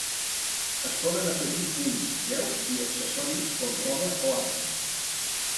Es poden afegir ulls, veus i accessoris com roba o armes.